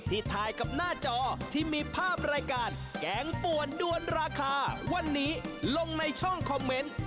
ถ่ายกับหน้าจอที่มีภาพรายการแกงป่วนด้วนราคาวันนี้ลงในช่องคอมเมนต์